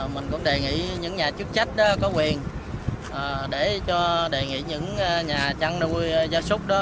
mình cũng đề nghị những nhà chức trách có quyền để cho đề nghị những nhà chăn nuôi gia súc đó